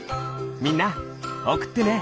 みんなおくってね。